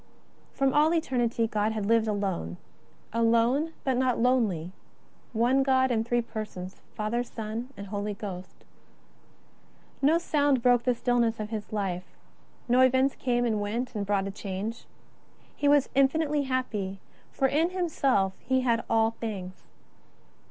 From all eternity God had lived alone ; alone, but not lonely; One God in Three Persons, Father, Son, and Holy Ghost. No sound broke the stillness of His Life ; no events came, and went, and brought a change. He was infinitely happy; for in Himself He had all things.